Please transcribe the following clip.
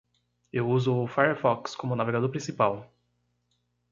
Eu uso o Firefox como navegador principal.